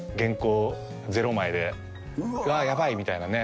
うわっヤバいみたいなね。